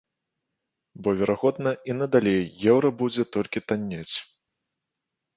Бо, верагодна, і надалей еўра будзе толькі таннець.